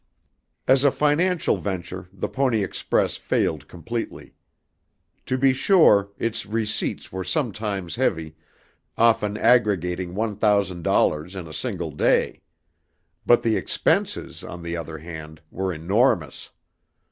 As a financial venture the Pony Express failed completely. To be sure, its receipts were sometimes heavy, often aggregating one thousand dollars in a single day. But the expenses, on the other hand, were enormous.